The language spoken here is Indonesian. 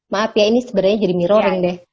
maaf ya ini sebenarnya jadi mirroring deh